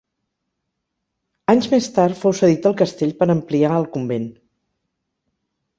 Anys més tard fou cedit el castell per ampliar el convent.